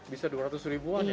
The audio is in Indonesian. bisa dua ratus ribuan ya